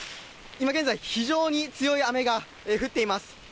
今現在非常に強い雨が降っています。